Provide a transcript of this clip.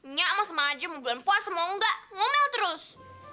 nyamah sama aja mau belom puas mau enggak ngomel terus